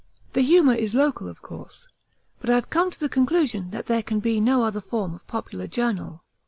The humour is local, of course, but I've come to the conclusion that there can be no other form of popular journal.